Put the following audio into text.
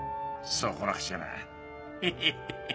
そう来なくちゃなヒヒヒ